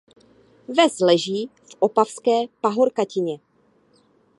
Ves leží v Opavské pahorkatině.